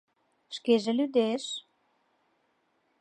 — Шкеже лӱдеш.